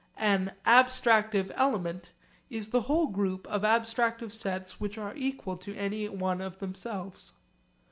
An 'abstractive element' is the whole group of abstractive sets which are equal to any one of themselves.